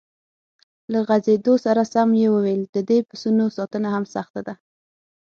له غځېدو سره سم یې وویل: د دې پسونو ساتنه هم سخته ده.